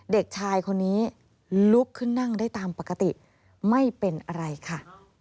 เด็กชายคนนี้ลุกขึ้นนั่งได้ตามปกติไม่เป็นอะไรค่ะ